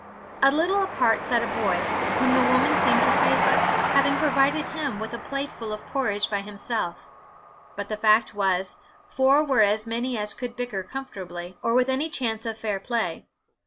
A little apart sat a boy, whom the woman seemed to favour, having provided him with a plateful of porridge by himself, but the fact was, four were as many as could bicker comfortably, or with any chance of fair play.